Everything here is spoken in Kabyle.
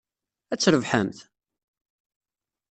Ad trebḥemt?